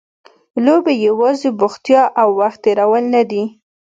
لوبې یوازې بوختیا او وخت تېرول نه دي.